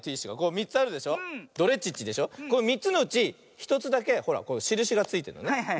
３つのうち１つだけほらしるしがついてるのね。